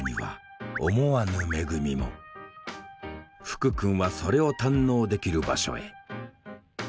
福くんはそれを堪能できる場所へ。